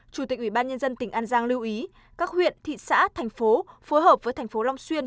chủ tịch ủy ban nhân dân tỉnh an giang lưu ý các huyện thị xã thành phố phối hợp với thành phố long xuyên